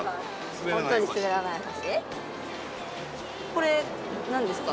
これ何ですか？